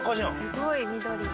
すごい緑。